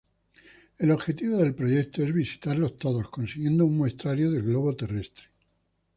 El objetivo del proyecto es visitarlos todos, consiguiendo un muestrario del globo terrestre.